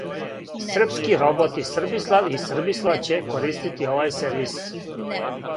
Србски роботи Србислав и Србислава ће користити овај сервис!